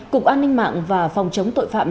cục an ninh mạng và phòng chống tội phạm